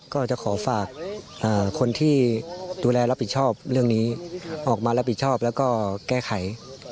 ก็จะขอฝากคนที่ดูแลรับผิดชอบเรื่องนี้ออกมารับผิดชอบแล้วก็แก้ไข